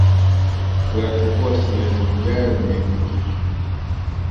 Kuyatukua siwezi, mjayo nimedhikika